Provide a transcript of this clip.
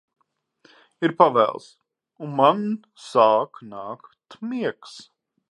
Ir pavēls, un man sāk nākt miegs.